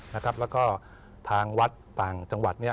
แล้วก็ทางวัดต่างจังหวัด